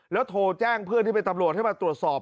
แล้วโทรแจ้งเพื่อนที่เป็นตำรวจให้มาตรวจสอบ